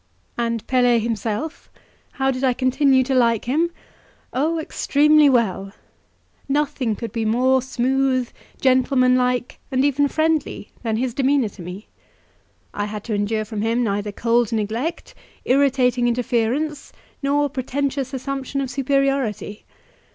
AND Pelet himself? How did I continue to like him? Oh, extremely well! Nothing could be more smooth, gentlemanlike, and even friendly, than his demeanour to me. I had to endure from him neither cold neglect, irritating interference, nor pretentious assumption of superiority.